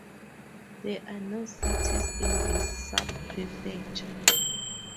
There are no cities in this subprefecture.